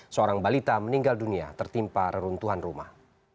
seorang balita meninggal dunia tertimpa reruntuhan rumah